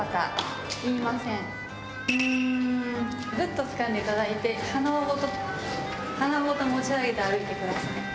グッとつかんでいただいて鼻緒ごと鼻緒ごと持ち上げて歩いてください。